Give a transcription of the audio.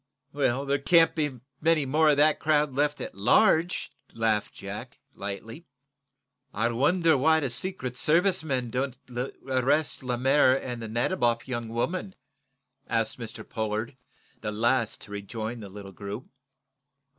"There can't be many more of that crowd left at large," laughed Jack, lightly. "I wonder why the Secret Service men don't arrest Lemaire and the Nadiboff young woman?" asked Mr. Pollard, the last to rejoin the little group.